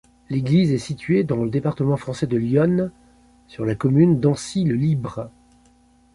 L'église est située dans le département français de l'Yonne, sur la commune d'Ancy-le-Libre.